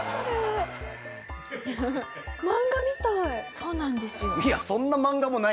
そうなんですよ。